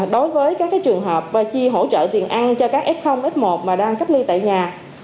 đối với các trường hợp chi hỗ trợ tiền ăn cho các f f một đang cấp lưu tại nhà